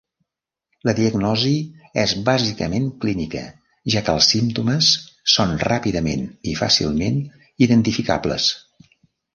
La diagnosi és bàsicament clínica, ja que els símptomes són ràpidament i fàcilment identificables.